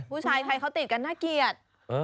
ผู้ชายไทยเขาติดกันน่าเกลียด